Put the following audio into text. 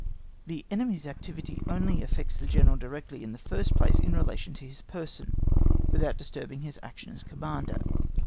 The enemy's activity only affects the General directly in the first place in relation to his person, without disturbing his action as Commander.